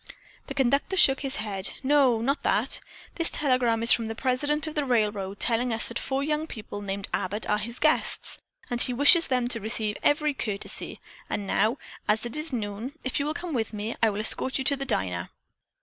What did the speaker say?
The conductor shook his head. "No, not that. This telegram is from the president of the railroad telling us that four young people named Abbott are his guests, and he wishes them to receive every courtesy, and now, as it is noon, if you will come with me, I will escort you to the diner."